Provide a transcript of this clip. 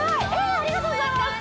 ありがとうございます！